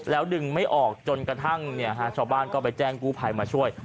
แล้วดึงไม่ออกจนกระทั่งชาวบ้านก็ไปแจ้งกู้ภัยมาช่วย